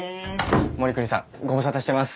護国さんご無沙汰してます。